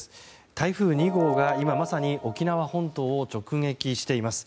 台風２号が今まさに沖縄本島を直撃しています。